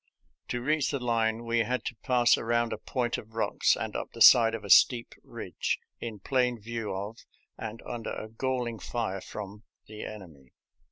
To reach the line we had to pass around a point of rocks and up the side of a steep ridge, in plain view of and under a galling fire from the enemy.